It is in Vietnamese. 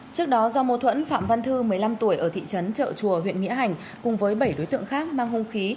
trước đó do mô thuẫn phạm văn thư một mươi năm tuổi ở thị trấn trợ chùa huyện nghĩa hành cùng với bảy đối tượng khác mang hung khí